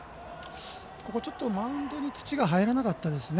ちょっとマウンドに土が入らなかったですね。